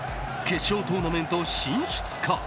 決勝トーナメント進出か。